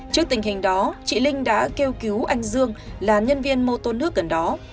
trước tình hình đó chị linh đã kêu cứu anh dương là nhân viên mô tô nước gần đó